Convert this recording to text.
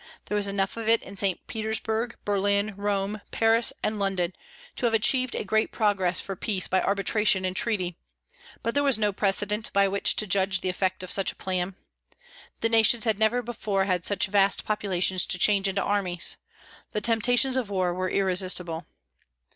There was enough of it in St. Petersburg, Berlin, Rome, Paris, and London to have achieved a great progress for peace by arbitration and treaty, but there was no precedent by which to judge the effect of such a plan. The nations had never before had such vast populations to change into armies. The temptations of war were irresistible.